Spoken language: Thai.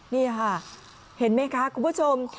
นี่ค่ะเห็นไหมคะคุณผู้ชม